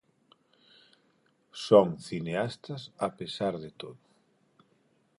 Son cineastas a pesar de todo.